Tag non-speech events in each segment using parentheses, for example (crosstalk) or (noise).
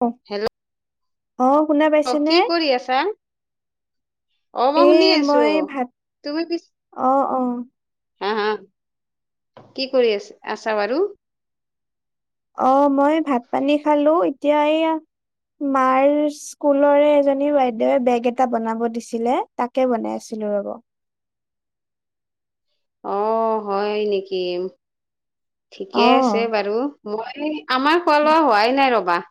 অ অ শুনা অ পাইছা নে কি কৰি আছা অ মই এ শুনি আছো মই ভাত তুমি পিছ অ অ হা হা কি কৰি আছ আছা বাৰু অ মই ভাত পানী খালো এতিয়া এইয়া মাৰ স্কুলৰে এজনী বাইদেৱে বেগ এটা বনাব দিছিলে তাকে বনাই আছোঁ (unintelligible) অ হয় নেকি অ ঠিকে আছে বাৰু মই আমাৰ খোৱা লোৱা হোৱাই নাই ৰবা।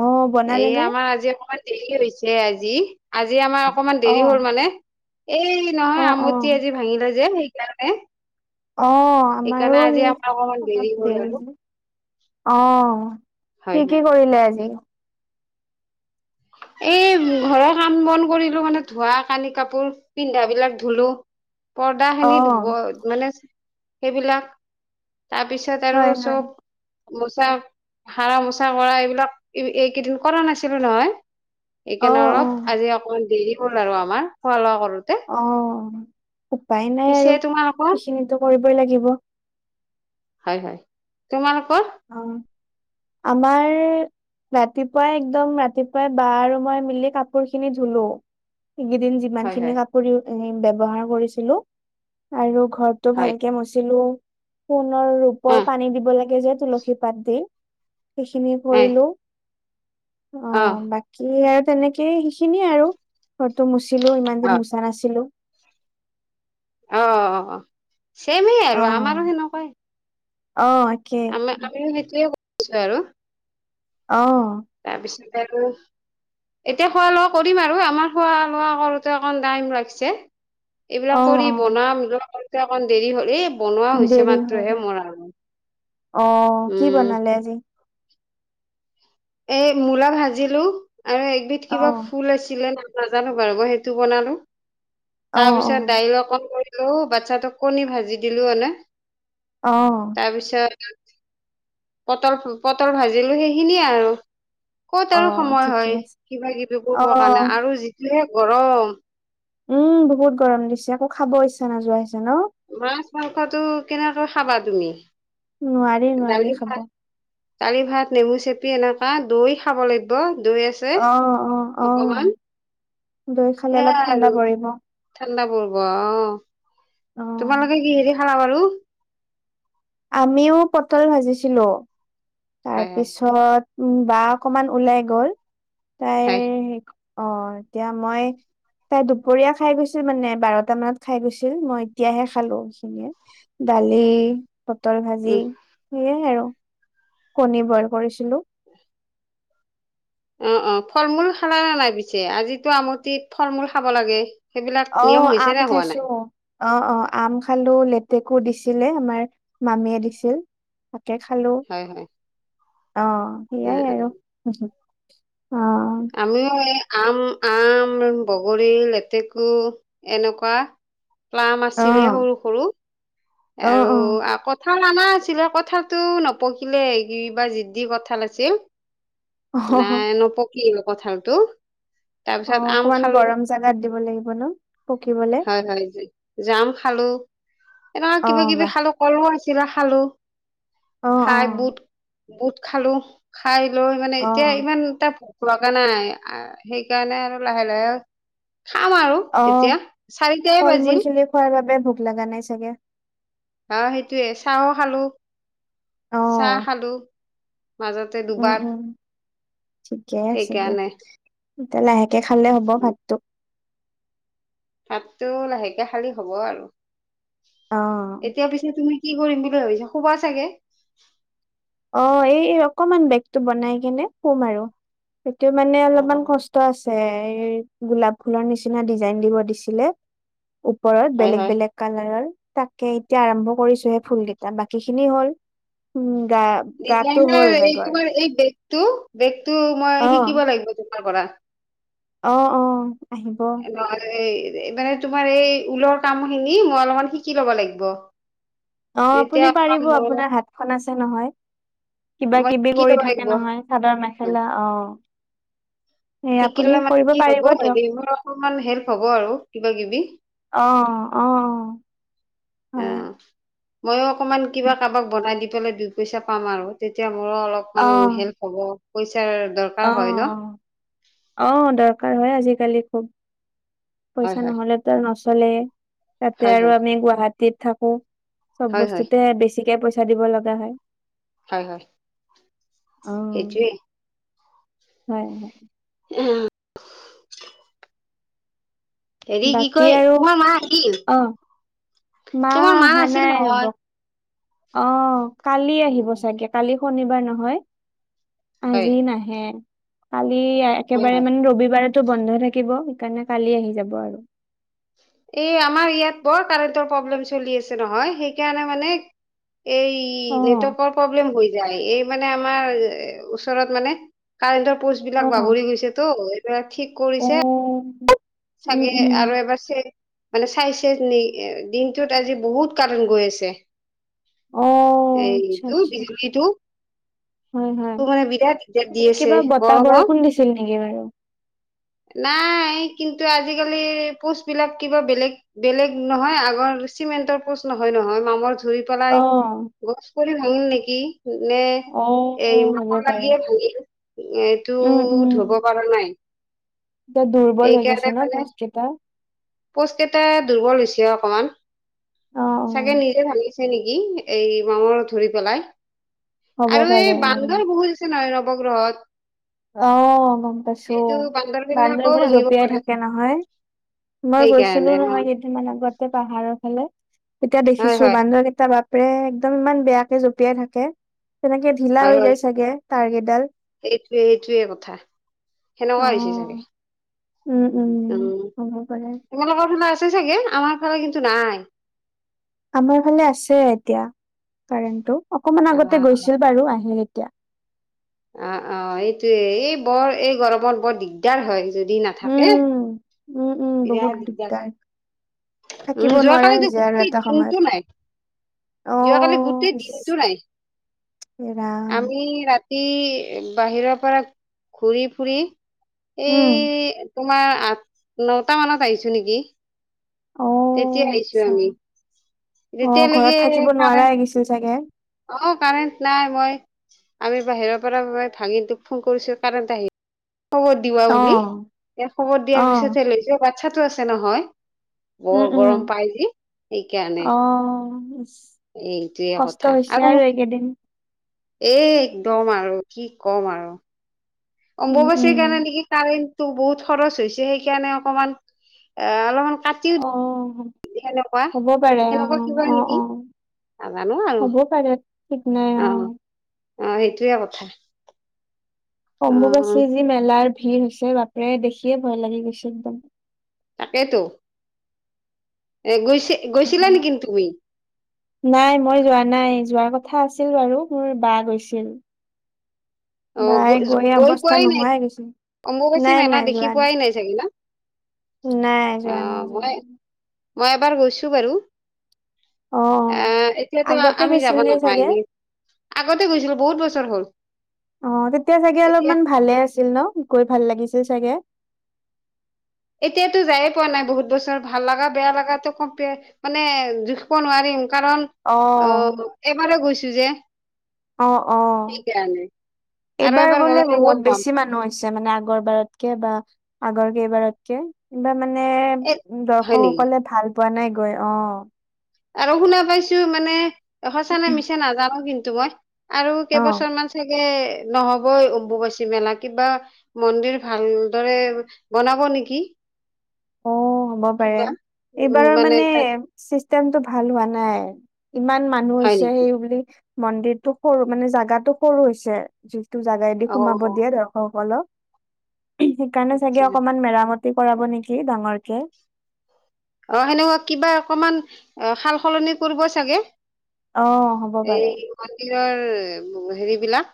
অ বনালে এই নে আমাৰ আজি অকমান দেৰি হৈছে আজি, আজি আমাৰ অকমান অ দেৰি হ'ল মানে। এই অ নহয় অ আমটি আজি ভাঙিলে যে সেইকাৰণে অ আমাৰো সেইকাৰণে আজি সেই আমাৰ অকমান দেৰি অলপ হ'ল আৰু দেৰি অৱ হয় কি হয় কি কৰিলে আজি? (unintelligible) এই ঘৰৰ কাম বন কৰিলো মানে ধোৱা কানি কাপোৰ পিন্ধাবিলাক ধুলো পৰ্দা অ খিনি ধুব মানে সেইবিলাক। তাৰপিছত আৰু হয় হয় চব মোচা হাৰা মোচা কৰা এইবিলাক এইকেইদিন কৰা নাছিলো নহয়। অ সেইকাৰণে অ অলপ আজি অকমান দেৰি হ'ল আৰু আমাৰ খোৱা লোৱা কৰা অ উপায় নাই পিছে আৰু তোমালোকৰ ইখিনিটো কৰিবই লাগিব। হয় হয়, তোমালোকৰ অ আমাৰ ৰাতিপুৱাই একদম ৰাতিপুৱাই বা আৰু মই মিলি কাপোৰ খিনি ধুলো এইকেইদিন যিমান হয় খিনি হয় কাপোৰ ব্যৱহাৰ কৰিছিলো আৰু ঘৰটো হয় ভালকে মুচিলো সোণনৰ ৰূপৰ অ পানী দিব লাগে যাত তুলসী পাত দি সেইখিনি কৰিলো। অ বাকী আৰু তেনেকেই সেইখিনিয়ে আৰু ফটো মুচিলো ইমান অ দিন মোচা নাছিলো অ চেমেই অ। আৰু আমাৰো সেনেকুৱাই অ একে আম একে আমি সেইটোৱে কৰিছো আৰু অৱ তাৰপিছত আৰু এতিয়া খোৱা লোৱা কৰিম আৰু আমাৰ খোৱা লোৱা কৰোতে অকণ টাইম লাগিছে অ এইবিলাক কৰি অ বনাম লগতে অকমান দেৰি হ'লে ই বনোৱা হৈছে দেৰি হ'ল। মাত্ৰহে মৰা আৰু অ কি উম বনালে আজি এই মূলা ভাজিলো আৰু এবিধ অ কিবা ফুল আছিলে ন নাজানো বাৰু মই সেইটো বনালো অ তাৰ পিছত অ দাইল অকণ কৰি কৰিলো বাচ্ছাটোক কণী ভাজি দিলো‌ মানে অঁ। পটল পটল ভাজিলো সেইখিনিয়ে আৰু--' ক'ত অ আৰু সময় ঠিকে হয়, আছে কিবা কিবি অ কৰিব কাৰণে আৰু যিটো গৰম উম বহুত গৰম দিছে, একো খাব ইচ্ছা নোযোৱা হৈছে ন মাছ -মাংসটো কেনেকৈ খাবা তুমি নোৱাৰি দালি নোৱাৰি ভাত খাব। দালি ভাত নেমু চেপি এনেকা দৈ খাব লাগিব। দৈ আছে, অ অ অ অকমান। দৈ খালে অলপ সেয়াই আৰু ঠাণ্ডা পৰিব। ঠাণ্ডা পৰ্ব অঁ অ তোমালোকে কি হেৰি খালা বাৰু আমিও পটল ভাজিছিলো, হয় হয় তাৰপিছত উম বা অকমান ওলাই গ'ল তাইৰ হয় অ এতিয়া মই তাই দুপৰীয়া খাই গৈছিল মানে বাৰটা মানত খাই গৈছিল মই এতিয়াহে খালো সেখিনিয়ে দালি, পটল ভাজি উম সেয়াই আৰু কণী বইল কৰিছিলো। অঁ অঁ ফল মূল খালা নে নাই পিছে আজিতো আমঠিত ফল মূল খাব লাগে। সেইবিলাক নিয়ম অঁ হৈছে আম নে হোৱা নাই খাইছো। অঁ অঁ আম খালো লেতেকো দিছিলে আমাৰ মামীয়ে দিছিল। তাকে খালো। হয় হয় অঁ উ সেইয়াই উ আৰু অঁ। আমিও এই আম, আম, বগৰী, লেতেকু এনেকুৱা আম অ আছিলে সৰু-সৰু অ অ আৰু অ কথা ক অনা আছিলে কথাাতটো নপকিলে কিবা যিদি কঠাল আছিল। নাই নোপক কঠালতো। অ তাৰপিছত আম অকমান খালো। গৰম জাগাত দিব লাগিব ন পকিবলে হয়, হয়, আম খালোঁ। এনেকুৱা অ কিবা-কিবি বাহ খালোঁ কলো আছে খালোঁ অ অ খাই বুট, বুট খালোঁ। খাই লৈ মানে অ এতিয়া ইমান এটা ভোক লগা নাই। সেইকাৰণে, আৰু লাহে লাহে খাম আৰু অ এতিয়া চাৰিটাই ফল মূল বাজিম। খিনি খোৱাৰ বাবে ভোক লাগা নাই চাগে? আহ' সেইটোয়ে চাহো খালোঁ। অ চাহ খালো। মাজতে দুবাৰ। ঠিকেই আছে দিয়ক। সেইকাৰণে এতিয়া লাহেকে খালে হ'ব ভাতটো। ভাততো লাহেকে খালোঁ হ'ব আৰু। অ এতিয়া পিছে তুমি কি কৰিম বুলি ভাবিছা, খোবা চাগে? অঁ' এই এই অকমান বেগটো বনাই কেনে সোম আৰু। সেইটো মানে অ অলপমান কষ্ট আছে, এই গোলাপ ফুলৰ নিচিনা ডিজাইন দিব দিছিলে, ওপৰত হয় হয় বেলেগ-বেলেগ কালাৰৰ। তাকে এতিয়া আৰম্ভ কৰিছোহে ফুল কেইটা, বাকী খিনি হ'ল। গা গাটো হ'ল ডিজাইনাৰ এই বেগৰ তোমাৰ এই বেগটো বেগতটো মই শিকিব লাগিব। কৰা। অঁ' অঁ। এই মান তোমাৰ এই ঊলৰ কাম খিনি মই অলপমান শিকি ল'ব লাগিব। তেতিয়া অঁ'আপুনি অকমান পাৰিব মোৰ আপোনাৰ হাতখন আছে নহয়। মই কিবা-কিবি শিকি ল'ব কৰি লাগিব থাকে নহয়। চাদৰ-মেখেলা অ' এই আপুনি শিকিলে মানে কৰিব কি হ'ব পাৰিব দিয়ক হেৰি মোৰ অকনমান হেল্প হ'ব আৰু কিবা-কিবি। অঁ' অঁ। অঁ' ময়ো অকমান কিবা কাৰোবাক বনাই দি পেলাই দুই পইচা পাম আৰু তেতিয়া। মোৰো অ অলপমান হেল্প হ'ব। পইচাৰ দৰকাৰ অ', হয় ন অ' আহ দৰকাৰ হয় আজিকালি খুব। হয় পইচা হয় নহলেতো নচলে তাতে হয় আৰু হয় আমি গুৱাহাটীত থাকো। চব হয় হয় বস্তুতে বেছিকে পইচা দিব লগা হয়। হয়, হয়, সেইটোৱেই হয়, হয়। আহ' হেৰি কি বাকী কয়, আৰু তোমাৰ মাৰ কি? অ তোমাৰ মা অহা আছিল নাই ৰব নহয়। অ' কালি আহিব চাগে, কালি শনিবাৰ নহয়। হয় আজি নাহে। কালি হয় একেবাৰে হয় মানে ৰবিবাৰত বন্ধ থাকিব। সেইকাৰণে কালি আহি যাব আৰু। এই আমাৰ ইয়াত বৰ কাৰেণ্টৰ প্ৰব্লেম চলি আছে নহয়, সেইকাৰণে মানে এই অ নেটৱৰ্কৰ প্ৰব্লেম হৈ যায়। এই মানে, আমাৰ ওচৰত মানে কাৰেণ্টৰ পষ্ট অ বিলাক বাগৰি গৈছে তো এই বিলাক ঠিক অ কৰিছে উম চাগে উম আৰু এবাৰ চে মানে চাইছে নি, দিনটোত আজি বহুত কাৰণ গৈ আছে। অ এইটো বিজুলীটো। হয, হয়, মানে বিৰাট দিগদাৰ দি এই আছে কিবা বতাহ গৰমত বৰষুণ দিছিল নেকি বাৰু? নাই। কিন্তু, আজিকালি পোষ্টবলাক কিবা বেলেগ বেলেগ নহয়, আগৰ চিমেণ্টৰ পোচ নহয় নহয় মামৰ ৰিই পেলাই অ গছ কৰি ভাঙিল নেকি? নে অ', এই অ', হ'ব মাক পাৰে। লাগিয়েই ভাগিল এইটো উম, ধব উম। পৰা নাই। এতিয়া দুৰ্বল হৈ গৈছে ন পোষ্ট গেতা পোষ্ট কেইটা দুৰ্বল হৈছে অকমান। অ', চাগে অ', নিজে ভাঙিছে নেকি এই মামৰ ধৰি পেলাই। হ'ব আৰু পাৰে এই বান্দৰ বহুত আছে নহয় নৱগ্ৰহত আহ গম পাইছো এইটো বান্দৰ বিলাকও বুলি ভাঙিব জঁপিয়াই পাৰে থাকে নহয়। মই গৈছিলো সেইকাৰণে অ নহয় কেইদিনমান আগতে পাহাৰৰ ফালে এতিয়া হয় দেখিছো হয় বান্দৰকেইটা বাপেৰে একদম ইমান বেয়াকে জঁপিয়াই থাকে। তেনেকে ঢিলা হৈ যায় চাগে তাটাৰ গেডাল। সেইটোৱে সেইটোৱে কথা অ' সেনেকুৱা হৈছে চাগে। উম হ'ব পাৰে। তোমালোকৰ ফালে আছে চাগে আমাৰ ফালে কিন্তু নাই। আমাৰ ফালে আছে এতিয়া কাৰাৰেণ্টো অকমান আহ আগতে গৈছিল বাৰু আহে। এতিয়া অ অ এইটোয়ে এই বৰ এই গৰমত বৰ দিগদাৰ হয়। যদি নাথাকে। উম, উম উম বহুত দিগদাৰ। উম থাকিব নোৱাৰা যোৱাকালিতো হৈ যায় আৰু গোটেই এটা দিনটো সময়ত। নাই যোৱাকালি অ', গোটেই ইচ দিনতটো নাই। হে ৰাম, আমি ৰাত- তি বাহিৰৰ পৰা ঘূৰি ফুৰি এ উম, তোমাৰ আঠ নটা মানত আহিছো নেকি। তেতিয়া অ', আহিছো আচ্ছা। আমি অ', ঘৰত তেতিয়ালৈকে থাকিব নোৱাৰা হৈ গৈছিল কাৰন্ট চাগে? অ কাৰেণ্ট নাই মই আমি বাহিৰৰ পৰা ভাঙি তোক ফোন কৰিছো কাৰেণ্ট আহি- খবৰ দিৱা বুলি অ', ই খবৰ দিয়াৰ অ', পিছতহে লৈছো বাচ্ছাতটো আছে নহয়। উম, বৰ উম, গৰম পাই যে সেইকাৰণে অ', এইটোৱে কষ্ট হৈছে আৰু এইকেইদিন এ একদম আৰু কি কম আৰু উম, উম, অম্বুবাচীৰ কাৰণে নেকি কাৰান্ট বহুত খৰচ হৈছে সেইকাৰণে অকমান এ অলমান অ হ'ব পাৰে সেনেকুৱা অ কিবা অ নেকি অ নাজানো আৰু হ'ব পাৰে সঠিক নাই অ অ সেইটোয়ে কথা অ অম্বুবাচীৰ যি মেলাৰ ভিৰ হৈছে বাপেৰে দেখিয়ে ভয় লাগি গৈছে একদম তাকেইেতো এ গৈছে গৈছিলা নে কিন তুমি নাই মই যোৱা নাই যোৱা কথা আছিল বাৰু মোৰ বা গৈছিল অ বাই গ গৈ অৱস্থা পোৱাই নাই নোহোৱাই গৈছিল অম্বুবাচী নাই মেলা নাই দেখি যোৱা পোৱাই নাই চাগে না নাই যোৱা আহ নাই যোৱা মই নাই। মই এবাৰ গৈছো বাৰু অ এ এতিয়াতো আগতে আমি যাব গৈছিল নে চাগে নাপাইনে আগতে গৈছিলো বহুত বছ হ'ল অ তেতিয়া চাগে এতিয়া অলপমান ভালে আছিল ন গৈ ভাল লাগিছিল চাগে এতিয়াতো যায়ে পোৱা নাই বহুত বছৰ ভাল লগা বেয়া লগা কম্পেয়াৰ মানে জুখিব নোৱাৰিম কাৰণ অ এবাৰ গৈছো যে অ অ সেইকাৰণে আৰু এইবাৰ এবাৰ বোলে গ'লে বহুত গম পাম বেছি মানুহ হৈছে মানে আগৰ বাৰতকে বা আগৰ কেইবাৰতকে কিবা মানে এ হয় নেকি দৰ্শকসকলে ভাল পোৱা নাই গৈ অ আৰু শুনা পাইছো মানে সঁচা নে মিছা নাজানো কিন্তু মই আৰু অ কেইবছৰ মান চাগে নহবই অম্বুবাচী মেলা কিবা মন্দিৰ ভালদৰে বনাব নেকি। অ হ'ব পাৰে কিবা উম এইবাৰৰ মানে তাত চিষ্টেমটো ভাল হোৱা নাই ইমান মানুহ হৈছে হয় নেকি সেই বুলি মন্দিৰটো সৰু মানে জাগাতো সৰু হৈছে যিটো জোগাইদি অ সোমাব অ দিয়ে দৰ্শকসকলক। সেইকাৰণে আচ্ছা চাগে অকমান মেৰামতি কৰাব নেকি ডাঙৰকে। অ সেনেকুৱা কিবা অকমান অ সাল- সলনি কৰিব চাগে। অ হ'ব পাৰে ৰ হেৰি বিলাক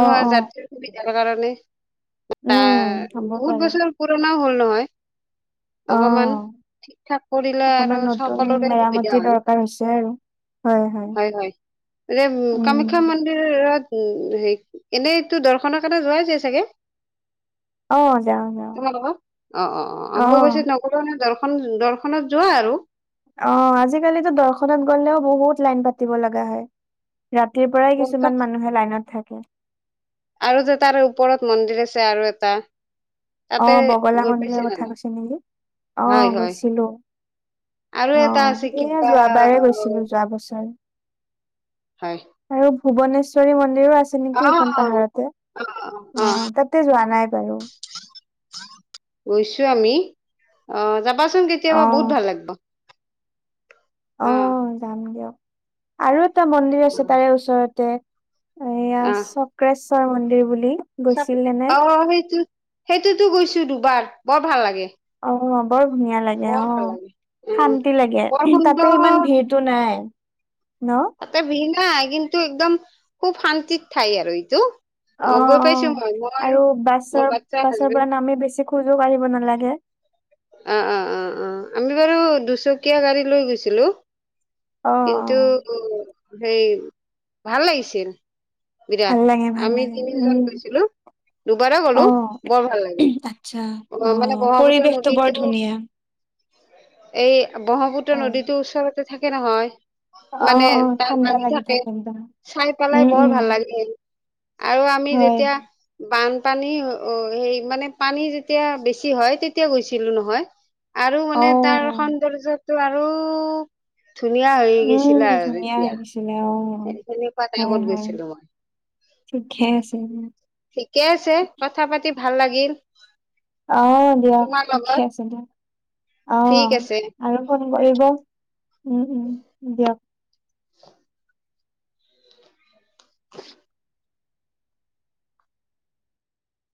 অ অ যাত্ৰীৰ সুবিধাৰ কাৰণে। এ উম হ'ব বহুত পাৰে বছৰ পুৰণাও হ'ল নহয় অ অকমান ঠিক ঠাক কৰিলে আৰু অকমান নতুন সকলোৰে সুবিধা মেৰামতিৰ হয় দৰকাৰ হৈছে আৰু হয় হয়। এ উম কামাখ্যা মন্দিৰ ৰত উ হে এনেইটো দৰ্শনৰ কাৰণে যোৱাইছে চাগে। অ যাওঁ যাওঁ তোমাৰলোকৰ অ অ অ অম্বুবাচিত নগলো নই দৰ্শ- দৰ্শনত যোৱা আৰু অ আজিকালিতো দৰ্শনত গলেও বহুত লাইন পাতিব লগা হয়। ৰাতিৰ পৰাই কিছুমান তাৰপিছত মানুহে লাইনত থাকে। আৰু যে তাৰ ওপৰত মন্দিৰ আছে আৰু এটা অ তাতে বগলা গৈ মন্দিৰৰ পাইছানে কথা নাই? কৈছে নেকি অ হয় হয় গৈছিলো আৰু অ এটা আছে এয়া কিবা যোৱাবাৰে গৈছিলো যোৱা বছৰ হয় আৰু ভূৱনেশ্বৰী মন্দিৰো আছে অ নেকি সেখন অ পাহাৰতে অ অ', তাতে যোৱা নাই। বাৰু গৈছো আমি অহ যাবাচোন কেতিয়াবা অ বহুত ভাল লাগিব। অ যাম দিয়ক আৰু এটা মন্দিৰ আছে তাৰে ওচৰতে এইয়া অ', চক্ৰেশ্বৰ মন্দিৰ বুলি গৈছিল নে অ সেইটো সেইটোতো গৈছো দুবাৰ বৰ ভাল লাগে। অ বৰ ধুনীয়া লাগে বৰ অ ভাল লাগে উম, শান্তি লাগে বৰ সুন্দৰ তাতে ইমান ভিৰটো নাই। ন তাতে ভিৰ নাই কিন্তু একদম খুব শান্তিত ঠাই আৰু এইটো অঁ অ', গৈ পাইছো অঁ মই মই আৰু মোৰ বাছৰ বাচ্ছা বাছৰ হাজবেণ্ড পৰা নামেই বেছি। খোজো কাঢ়িব নালাগে। অঁ অঁ অঁ অঁ আমি বাৰু দুচকীয়া গাড়ী লৈ গৈছিলোঁ অ অ কিন্তু সেই ভাল লাগিছিল। বিৰাট ভাল লাগে, ভাল আমি লাগে তিনিওজন উম। গৈছিলো দুবাৰ গ'লো অঁ বৰ ভাল লাগে আচ্ছা অ মানে অঁ ব্ৰহ্মপুত্ৰ পৰিৱেশটো বৰ নদীতো ধুনিয়া। ধুনীয়া। এই ব্ৰহ্মপুত্ৰ হয় নদীতো ওচৰতে থাকে নহয়। অ মানে অ তাৰ ঠাণ্ডা লাগি থাকে একদম চাই পেলাই উম বৰ উম ভাল লাগে। আৰু আমি হয় যেতিয়া বান। পানী অঁ সেই মানে পানী যেতিয়া বেছি হয় তেতিয়া গৈছিলোঁ নহয়। আৰু অ মানে তাৰ সৌন্দৰ্যটো আৰু ধুনীয়া হৈ উম গৈছিলে আৰু ধুনীয়া তেতিয়া আহিছিলে অ সেখিনি হয় পৰাটাইমত হয় গৈছিলোঁ মই ঠিকে আছে ঠিকে আছে কথা পাতি ভাল লাগিল অহঁ দিয়ক তোমাৰ থিকে লগত আছে দিয়ক। ঠিক অঁ আছে আৰু ফোন কৰিব উম উম দিয়ক। (unintelligible)